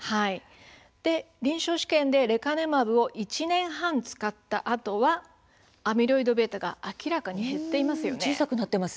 臨床試験でレカネマブを１年半使ったあとはアミロイドβが明らかに減っていますよね。